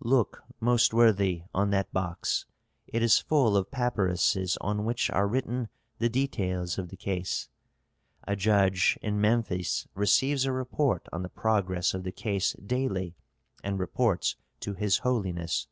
"Look, most worthy, on that box. It is full of papyruses on which are written the details of the case. A judge in Memphis receives a report on the progress of the case daily, and reports to his holiness.